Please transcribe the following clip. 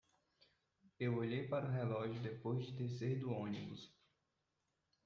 Eu olhei para o relógio depois de descer do ônibus.